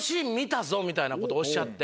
みたいなことをおっしゃって。